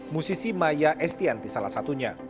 musisi maya estianti salah satunya